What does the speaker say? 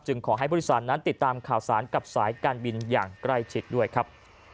ขอให้ผู้โดยสารนั้นติดตามข่าวสารกับสายการบินอย่างใกล้ชิดด้วยครับ